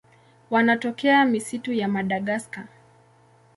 Wanatokea misitu ya Madagaska.